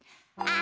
あ！